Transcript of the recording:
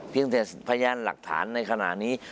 เพียงแต่พยานหลักฐานในขณะนี้